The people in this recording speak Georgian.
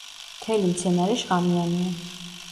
მთელი მცენარე შხამიანია.